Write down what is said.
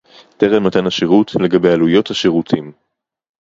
טרם מתן השירות, לגבי עלויות השירותים